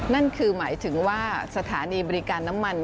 นั่นคือหมายถึงว่าสถานีบริการน้ำมัน